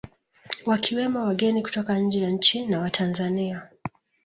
Wakiwemo wageni kutoka nje ya nchi na Watanzania